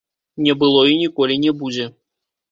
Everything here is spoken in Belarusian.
Не было і ніколі не будзе.